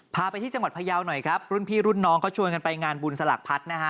พาไปที่จังหวัดพยาวหน่อยครับรุ่นพี่รุ่นน้องเขาชวนกันไปงานบุญสลักพัดนะฮะ